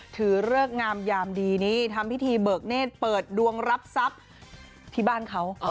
เริกงามยามดีนี่ทำพิธีเบิกเนธเปิดดวงรับทรัพย์ที่บ้านเขา